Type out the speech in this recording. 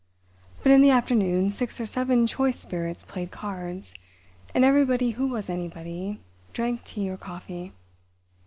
But in the afternoon six or seven choice spirits played cards, and everybody who was anybody drank tea or coffee.